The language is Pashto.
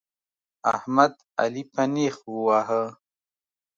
احمد؛ علي په نېښ وواهه.